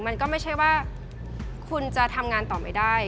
มันก็ไม่ใช่ว่าคุณจะทำงานต่อไม่ได้